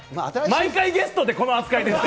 毎回ゲストってこの扱いですか？